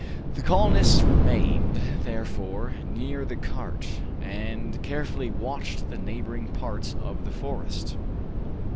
The colonists remained, therefore, near the cart, and carefully watched the neighboring parts of the forest.